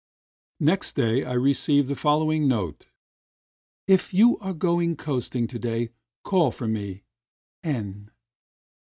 " Next day I received the following note: "If you are going coasting, to day, call for me. N."